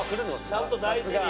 ちゃんと大事に。